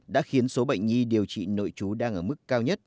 đã khiến số bệnh nhi điều trị nội trú đang ở mức cao nhất